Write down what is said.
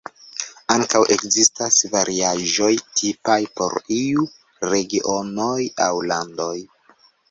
Ankaŭ ekzistas variaĵoj tipaj por iuj regionoj aŭ landoj.